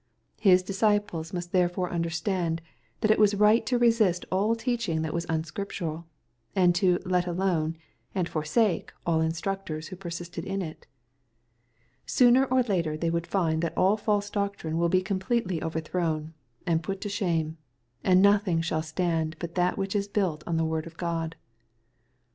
— His disciples must therefore understand that it was right to resist all teaching that was unscrip tural, and to " let alone," and forsake all instructors who persisted in it. — Sooner or later they would find that all false doctrine wiQ be completely overthrown, and put to shame, and nothing shaU stand but that which is built on the word of God.